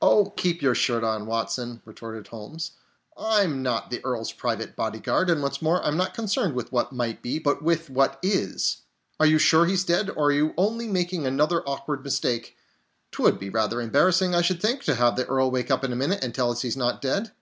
"Oh, keep your shirt on, Watson," retorted Holmes, "I'm not the Earl's private bodyguard, and what's more, I'm not concerned with what might be, but with what is. Are you sure he's dead, or are you only making another awkward mistake? 'Twould be rather embarrassing, I should think, to have the Earl wake up in a minute and tell us he's not dead!"